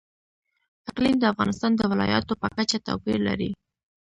اقلیم د افغانستان د ولایاتو په کچه توپیر لري.